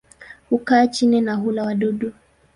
Hukaa chini na hula wadudu.